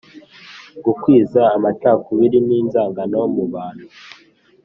gukwiza amacakubiri n'inzangano mu bantu.